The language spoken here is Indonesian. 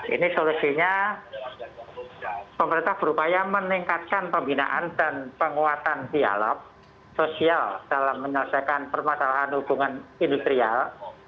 ini solusinya pemerintah berupaya meningkatkan pembinaan dan penguatan dialog sosial dalam menyelesaikan permasalahan hubungan industrial